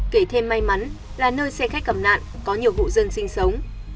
kể thêm may mắn là nơi xe khách cầm nạn có nhiều hộ dân sinh sống